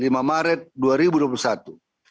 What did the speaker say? pada tanggal enam belas maret dua ribu dua puluh satu